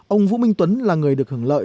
ông vũ minh tuấn là người được hưởng lợi